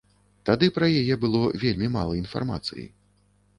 Тады пра яе было вельмі мала інфармацыі.